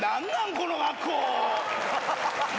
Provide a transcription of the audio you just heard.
この学校。